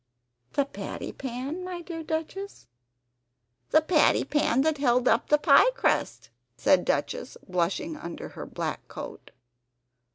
"The patty pan? my dear Duchess?" "The patty pan that held up the pie crust," said Duchess, blushing under her black coat.